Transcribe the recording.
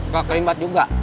kok kelimbat juga